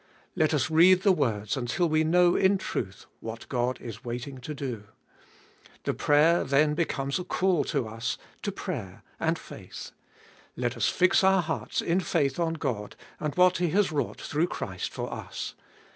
Let us read the words until we know in truth what God is waiting to do. The prayer becomes then a call to us to prayer and faith. Let us fix our hearts in faith on God and what He has wrought through Christ for us.